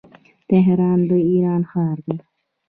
تهران د ايران ښار دی.